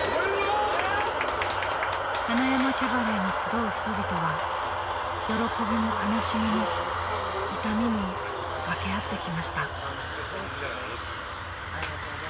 ［塙山キャバレーに集う人々は喜びも悲しみも痛みも分け合ってきました］